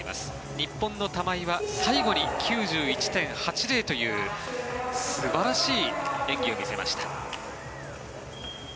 日本の玉井は最後に９１．８０という素晴らしい演技を見せました。